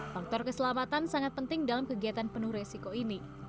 faktor keselamatan sangat penting dalam kegiatan penuh resiko ini